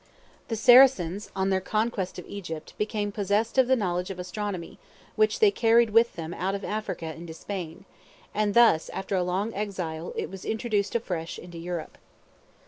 The Saracens, on their conquest of Egypt, became possessed of the knowledge of Astronomy, which they carried with them out of Africa into Spain; and thus, after a long exile, it was introduced afresh into Europe.